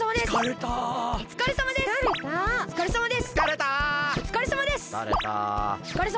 おつかれさまです！